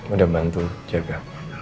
udah bantu jaga